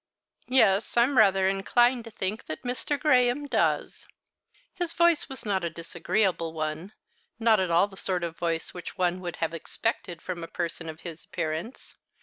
"Yes, I'm rather inclined to think that Mr. Graham does." His voice was not a disagreeable one; not at all the sort of voice which one would have expected from a person of his appearance.